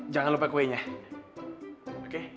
jangan lupa kuenya oke